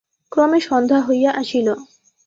ক্রমে সন্ধ্যা হইয়া আসিল।